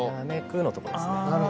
「煌く」のとこですね。